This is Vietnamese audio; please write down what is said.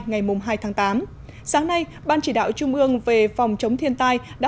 ngày hai tháng tám sáng nay ban chỉ đạo trung ương về phòng chống thiên tai đã